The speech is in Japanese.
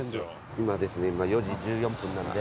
今ですね４時１４分なんで。